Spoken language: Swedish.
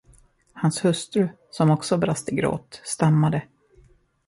Hans hustru, som också brast i gråt, stammade.